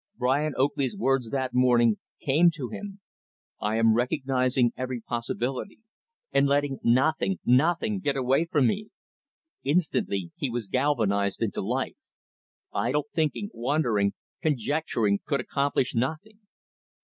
Brian Oakley's words that morning, came to him; "I am recognizing every possibility, and letting nothing nothing, get away from me." Instantly, he was galvanized into life. Idle thinking, wondering, conjecturing could accomplish nothing.